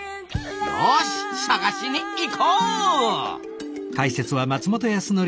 よし探しに行こう！